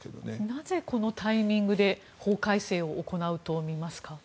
なぜ、このタイミングで法改正を行うとみますか？